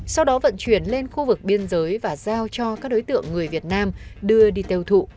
sau đó vận chuyển lên khu vực biên giới và giao cho các đối tượng người việt nam đưa đi tiêu thụ